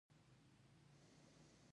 ځکه نو د نتیجې څخه بې خبره پاتې شوی وو.